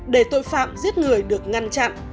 để tội phạm giết người được ngăn chặn